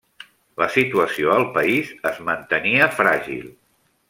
La situació al país es mantenia fràgil.